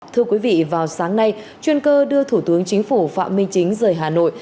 thưa quý vị vào sáng nay chuyên cơ đưa thủ tướng chính phủ phạm minh chính rời hà nội